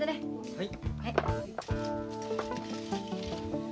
はい。